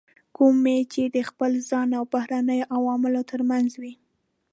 کومې چې د خپل ځان او بهرنیو عواملو ترمنځ وي.